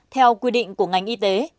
theo quy định của ngành y tế